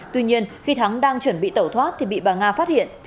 tuy nhiên khi thắng đang chuẩn bị tẩu thoát thì bị bà nga phát hiện